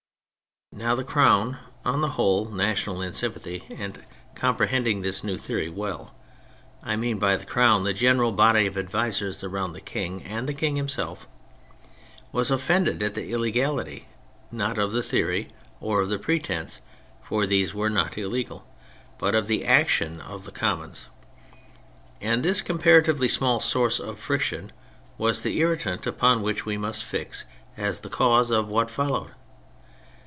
Now the Crown, on the whole national in sympathy, and comprehending this new theory well (I mean by the Crown the general body of advisers round the King, and the King himself), was offended at the illegality not of the theory or of the pretence (for these were not illegal), but of the action of the Commons. And this comparatively small source of friction was the irritant upon which we must fix as the cause of what followed.